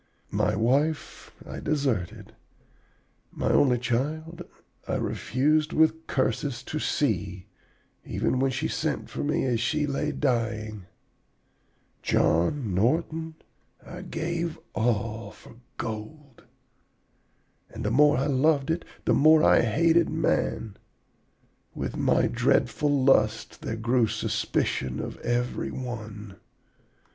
My wife I deserted. My only child I refused, with curses, to see, even when she sent for me as she lay dying. John Norton, I gave all for gold. And the more I loved it, the more I hated man. With my dreadful lust there grew suspicion of every one.